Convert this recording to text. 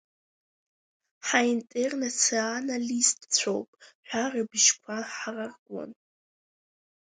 Ҳаинтернациана-листцәоуп ҳәа рыбжьқәа ҳараркуан.